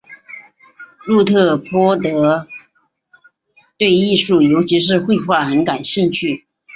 路特波德对艺术尤其是绘画很感兴趣。